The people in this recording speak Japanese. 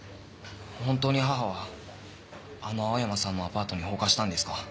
本当に母はあの青山さんのアパートに放火したんですか？